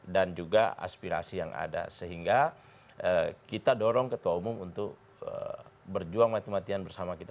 dan juga aspirasi yang ada sehingga kita dorong ketua umum untuk berjuang mati matian bersama kita